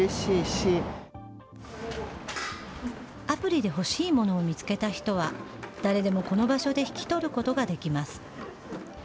アプリで欲しいものを見つけた人は、誰でもこの場所で引き取ることができます。